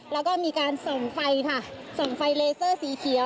แล้วก็มีการส่องไฟค่ะส่องไฟเลเซอร์สีเขียว